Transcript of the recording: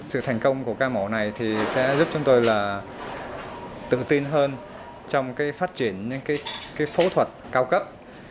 sự thành công của các mẫu này sẽ giúp chúng tôi tự tin hơn trong phát triển những phẫu thuật cao cấp